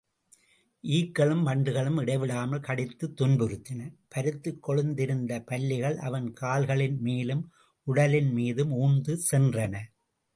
ஈக்களும் வண்டுகளும் இடைவிடாமல் கடித்துத் துன்புறுத்தின, பருத்துக் கொழுத்திருந்த பல்லிகள் அவன் கால்களின்மேலும், உடலின்மீதும் ஊர்ந்து சென்றன.